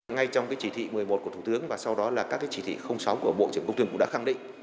ngay trong chỉ thị một mươi một của thủ tướng và sau đó là các chỉ thị sáu của bộ trưởng công thương cũng đã khẳng định